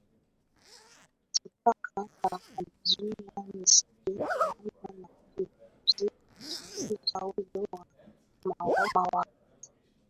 Hujipaka tarabizuna miski pamoja na kujifukiza udi wa mawaridi